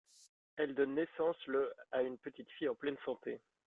Elle donne naissance le a une petite fille en pleine santé.